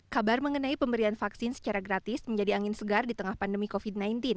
kabar mengenai pemberian vaksin secara gratis menjadi angin segar di tengah pandemi covid sembilan belas